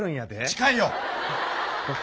近いよ！